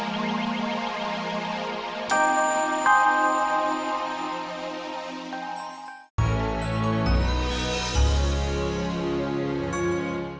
dia ngerasa biasa